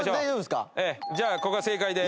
じゃあここは正解で。